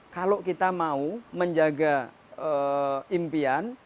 kalau kita mau menjaga impian